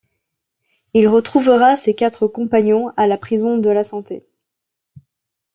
Il retrouvera ses quatre compagnons à la prison de la Santé.